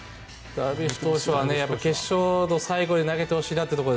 ダルビッシュ投手は決勝の最後に投げてほしいなと。